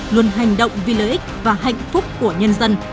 luôn hành động vì lợi ích và hạnh phúc của nhân dân